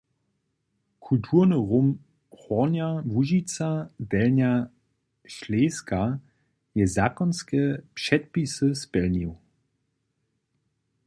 Kulturny rum Hornja Łužica-Delnja Šleska je zakonske předpisy spjelnił.